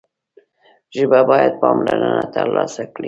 ژبه باید پاملرنه ترلاسه کړي.